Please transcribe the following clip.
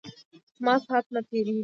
زما سات نه تیریژی.